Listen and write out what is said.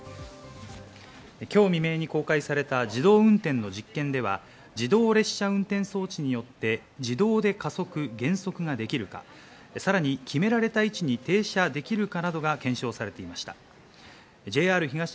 今日未明に公開された自動運転の実験では、自動列車運転装置によって自動で加速、減速ができるか、さらに決められた位置に停車できるかなどが検証されていました。